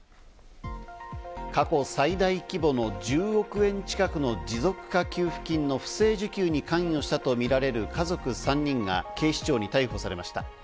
過去最大規模の１０億円近くの持続化給付金の不正受給に関与したとみられる家族３人が警視庁に逮捕されました。